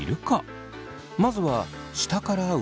まずは下から上に塗る。